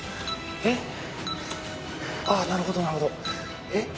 えっ？あっなるほどなるほどえっ？